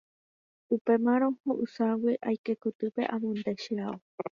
Upémarõ ho'ysãgui aike kotýpe amonde che ao.